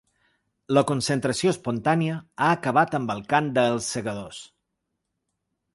La concentració espontània ha acabat amb el cant de ‘Els segadors’.